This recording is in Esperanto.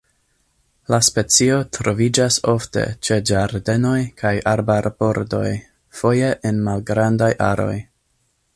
La specio troviĝas ofte ĉe ĝardenoj kaj arbarbordoj, foje en malgrandaj aroj.